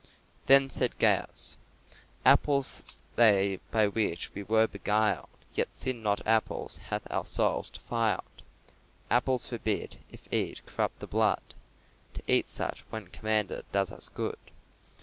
Then said Gaius, "Apples were they by which we were beguiled, Yet sin, not apples, hath our souls defiled. Apples forbid, if eat, corrupt the blood. To eat such, when commanded, does us good.